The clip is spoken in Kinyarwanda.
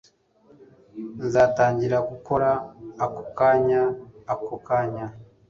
nzatangira gukora ako kanya ako kanya